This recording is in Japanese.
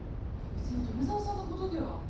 いえ別に富沢さんのことでは。